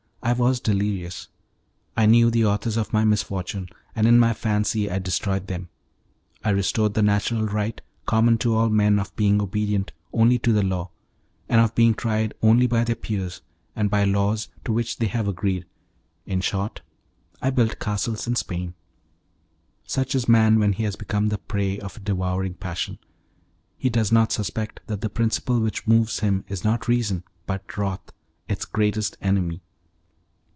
I was delirious; I knew the authors of my misfortune, and in my fancy I destroyed them. I restored the natural right common to all men of being obedient only to the law, and of being tried only by their peers and by laws to which they have agreed in short, I built castles in Spain. Such is man when he has become the prey of a devouring passion. He does not suspect that the principle which moves him is not reason but wrath, its greatest enemy.